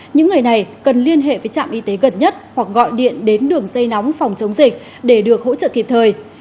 những người này cần liên hệ với trạm y tế gần nhất hoặc gọi điện đến đường dây nóng phòng chống dịch để được hỗ trợ kịp thời